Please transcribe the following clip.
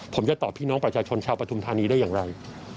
ผมจะตอบพี่น้องประชาชนชาวปฐุมธานีได้อย่างไร